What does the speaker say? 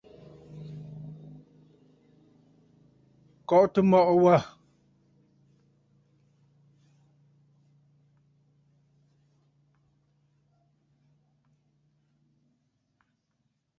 Kɔʼɔtə mɔʼɔ wâ.